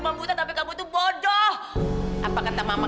kamu udah menunggu demikian lama